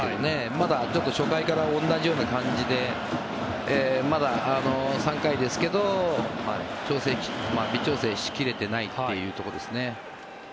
まだちょっと初回から同じような感じでまだ３回ですけど微調整しきれてないというところですね。